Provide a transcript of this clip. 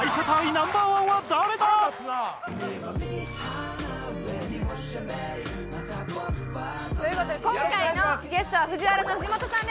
ナンバーワンは誰だ！？という事で今回のゲストは ＦＵＪＩＷＡＲＡ の藤本さんです。